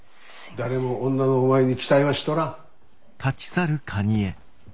誰も女のお前に期待はしとらん。